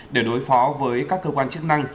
để đối phó với các cơ quan chức năng